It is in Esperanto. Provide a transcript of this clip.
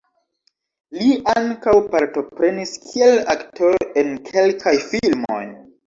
Li ankaŭ partoprenis kiel aktoro en kelkaj filmoj.